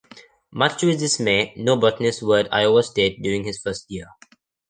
Much to his dismay, no botanists were at Iowa State during his first year.